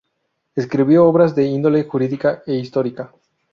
Escribió obras de índole jurídica e histórica.